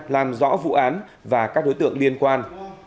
làm rõ vụ án và các đối tượng liên quan